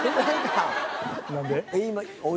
何で？